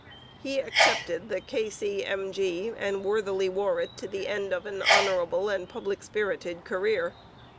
He accepted the K.C.M.G. and worthily wore it to the end of an honourable and public spirited career.